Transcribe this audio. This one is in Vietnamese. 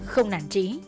không nản trí